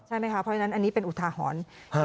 ใช่ไหมคะเพราะฉะนั้นอันนี้เป็นอุทาหรณ์